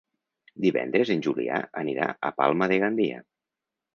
Divendres en Julià anirà a Palma de Gandia.